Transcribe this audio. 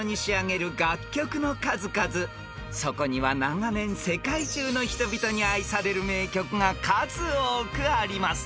［そこには長年世界中の人々に愛される名曲が数多くあります］